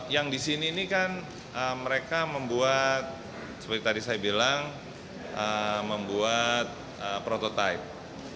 yang di sini ini kan mereka membuat seperti tadi saya bilang membuat prototipe